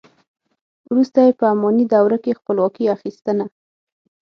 وروسته یې په اماني دوره کې خپلواکي اخیستنه.